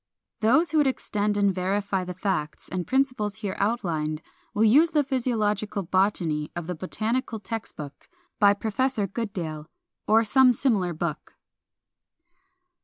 Those who would extend and verify the facts and principles here outlined will use the Physiological Botany of the "Botanical Text Book," by Professor Goodale, or some similar book.